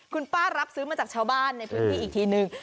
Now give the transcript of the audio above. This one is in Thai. คุณป้ารับซื้อมาจากชาวบ้านในพื้นที่อีกทีนึง